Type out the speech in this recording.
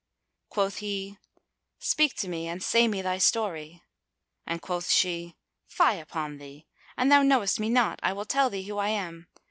Quoth he, "Speak to me and say me thy story." And quoth she, "Fie upon thee! An thou knowest me not, I will tell thee who I am.